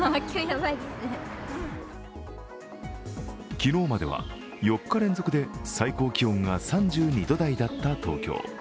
昨日までは４日連続で最高気温が３２度台だった東京。